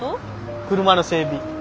車の整備。